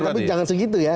tapi jangan segitu ya